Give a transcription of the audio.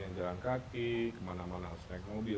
yang jalan kaki kemana mana harus naik mobil